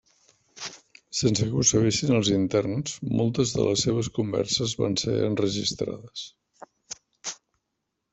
Sense que ho sabessin els interns, moltes de les seves converses van ser enregistrades.